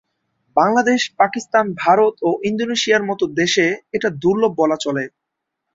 বাংলাদেশ, পাকিস্তান, ভারত ও ইন্দোনেশিয়ার মত দেশে এটা দুর্লভ বলা চলে।